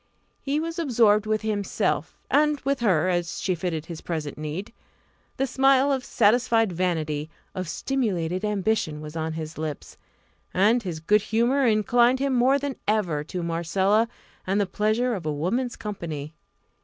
He was absorbed with himself, and with her, as she fitted his present need. The smile of satisfied vanity, of stimulated ambition, was on his lips; and his good humour inclined him more than ever to Marcella, and the pleasure of a woman's company.